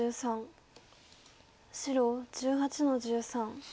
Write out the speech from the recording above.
白１８の十三。